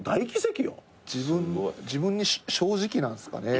自分に正直なんすかね。